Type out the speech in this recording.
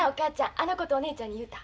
あのことお姉ちゃんに言うた？